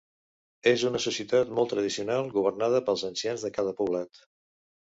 És una societat molt tradicional, governada pels ancians de cada poblat.